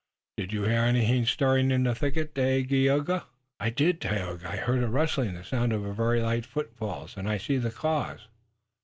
Did you hear anything stirring in the thicket, Dagaeoga?" "I did, Tayoga. I heard a rustling, the sound of very light footfalls, and I see the cause."